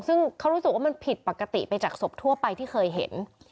ซึ่งเขารู้สึกว่ามันผิดปกติไปจากศพทั่วไปที่เคยเห็น